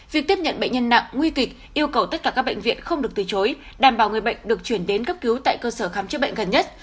việc tiếp nhận bệnh nhân nặng nguy kịch yêu cầu tất cả các bệnh viện không được từ chối đảm bảo người bệnh được chuyển đến cấp cứu tại cơ sở khám chữa bệnh gần nhất